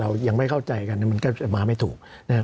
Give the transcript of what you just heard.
เรายังไม่เข้าใจกันมันก็จะมาไม่ถูกนะครับ